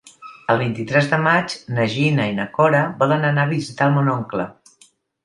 El vint-i-tres de maig na Gina i na Cora volen anar a visitar mon oncle.